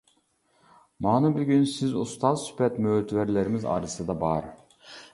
مانا بۈگۈن سىز ئۇستاز سۈپەت مۆتىۋەرلىرىمىز ئارىسىدا بار.